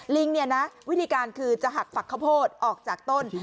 ลิงเนี่ยนะวิธีการคือจะหักฝักข้าวโพดออกจากต้น